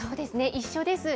一緒です。